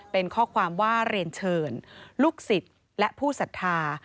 เป็นข้อความว่าเรียนเชิญลูกศิษย์และผู้ศรัทธา